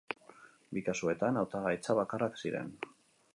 Bi kasuetan, hautagaitza bakarrak ziren.